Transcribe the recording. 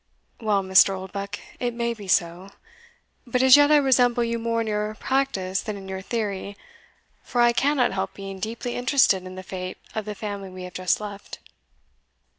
"Well, Mr. Oldbuck, it may be so; but as yet I resemble you more in your practice than in your theory, for I cannot help being deeply interested in the fate of the family we have just left."